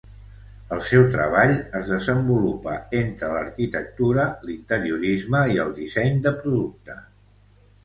El seu treball es desenvolupa entre l'arquitectura, l'interiorisme i el disseny de producte.